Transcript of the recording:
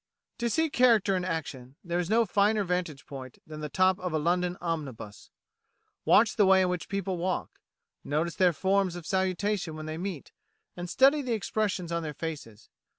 To see character in action there is no finer vantage point than the top of a London omnibus. Watch the way in which people walk; notice their forms of salutation when they meet; and study the expressions on their faces.